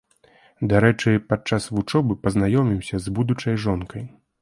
Дарэчы, падчас вучобы пазнаёміўся з будучай жонкай.